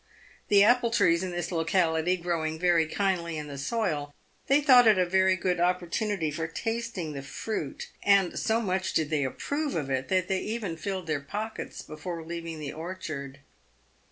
The apple trees in this locality growing very kindly in the soil, they thought it a very good opportunity for tasting the fruit, and so much did they approve of it, that they even filled their pockets before leaving the orchard.